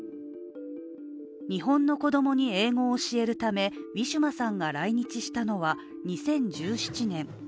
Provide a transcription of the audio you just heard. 日本の子供に英語を教えるためウィシュマさんが来日したのは２０１７年。